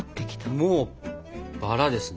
もうバラですね。